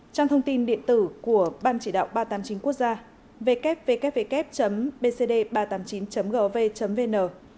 trang thông tin điện tử của ban chỉ đạo ba trăm tám mươi chín quốc gia ww bcd ba trăm tám mươi chín gov vn